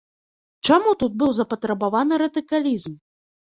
Чаму тут быў запатрабаваны радыкалізм?